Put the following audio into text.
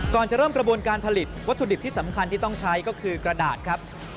ก่อนจะเริ่มกระบวนการผลิตวัตถุดิบที่สำคัญที่ต้องใช้ก็คือกระดาษครับ